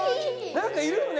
なんかいるよね